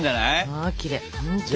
まきれい。